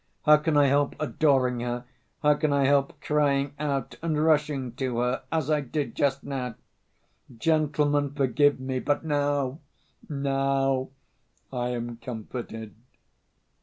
How can I help adoring her, how can I help crying out and rushing to her as I did just now? Gentlemen, forgive me! But now, now I am comforted."